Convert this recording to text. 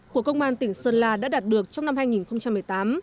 của công an tỉnh sơn la đã đạt được trong năm hai nghìn một mươi tám